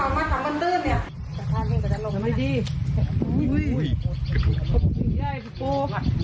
พอตอนพอตอนพอเอาเข้าเลย